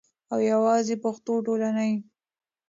او یواځی پښتو ټولنې